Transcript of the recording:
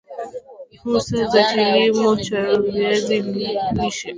Fursa za kilimo cha viazi lishe